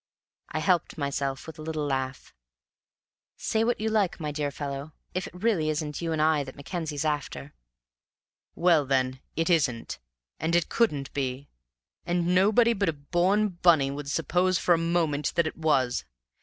I helped myself with a laugh. "Say what you like, my dear fellow, if it really isn't you and I that Mackenzie's after." "Well, then, it isn't, and it couldn't be, and nobody but a born Bunny would suppose for a moment that it was!